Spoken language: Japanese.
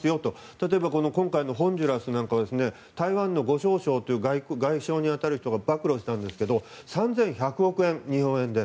例えば今回のホンジュラスなんかは台湾のゴ・ショウショウという外相にあたる人が暴露したんですが３１００億円、日本円で。